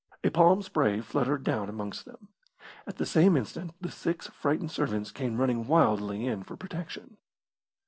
A palm spray fluttered down amongst them. At the same instant the six frightened servants came running wildly in for protection.